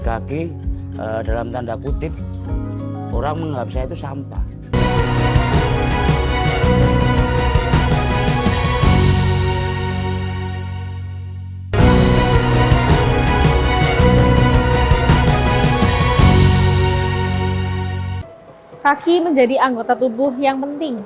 kaki dalam tanda kutip orang menggapai itu sampah kaki menjadi anggota tubuh yang penting